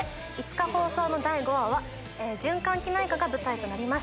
５日放送の第５話は循環器内科が舞台となります。